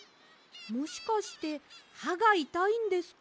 もしかしてはがいたいんですか？